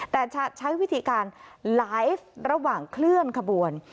แต่จะใช้วิธีการไลฟ์ระหว่างเคลื่อนขบวน